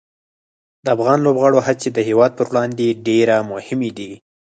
د افغان لوبغاړو هڅې د هېواد پر وړاندې ډېره مهمه دي.